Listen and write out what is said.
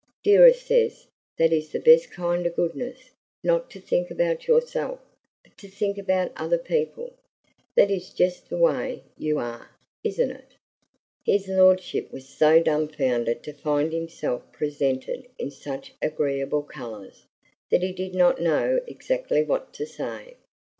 Dearest says that is the best kind of goodness; not to think about yourself, but to think about other people. That is just the way you are, isn't it?" His lordship was so dumfounded to find himself presented in such agreeable colors, that he did not know exactly what to say.